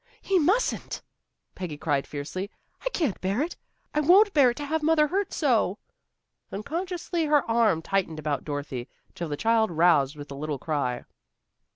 "He mustn't," Peggy cried fiercely. "I can't bear it. I won't bear it to have mother hurt so." Unconsciously her arm tightened about Dorothy, till the child roused with a little cry.